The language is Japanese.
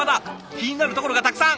気になるところがたくさん。